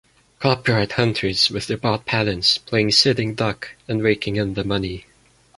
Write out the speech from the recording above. Copyright hunters with their bought patents playing sitting duck and raking in the money.